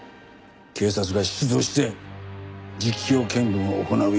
警察が出動して実況見分を行うべきだ。